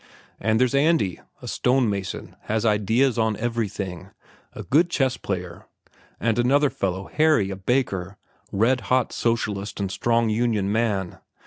And there's Andy, a stone mason, has ideas on everything, a good chess player; and another fellow, Harry, a baker, red hot socialist and strong union man.